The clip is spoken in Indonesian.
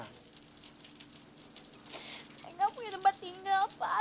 saya nggak punya tempat tinggal pak